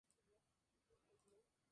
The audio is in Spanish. Mis dos grandes enemigos, Ross.